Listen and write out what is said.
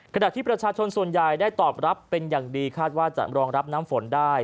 ขณะที่ประชาชนส่วนใหญ่ได้ตอบรับเป็นอย่างดีคาดว่าจะรองรับน้ำฝนได้